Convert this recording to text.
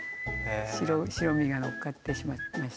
白身がのっかってしまいました。